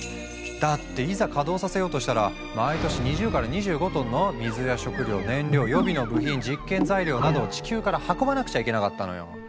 だっていざ稼働させようとしたら毎年２０から２５トンの水や食料燃料予備の部品実験材料などを地球から運ばなくちゃいけなかったのよ。